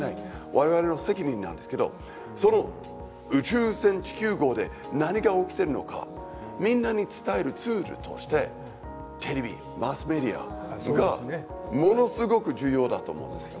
我々の責任なんですけどその宇宙船地球号で何が起きてるのかみんなに伝えるツールとしてテレビマスメディアがものすごく重要だと思うんですよ。